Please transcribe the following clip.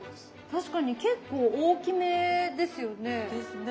確かに結構大きめですよね。ですね。